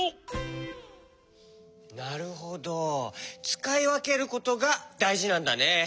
つかいわけることがだいじなんだね。